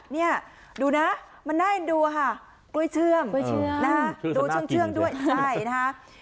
เนี่ยดูนะมันน่าจะดูค่ะกล้วยเชื่อมดูเชื่อมด้วยใช่นะคะ